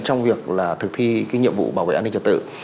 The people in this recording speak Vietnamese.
trong việc là thực thi nhiệm vụ bảo vệ an ninh trật tự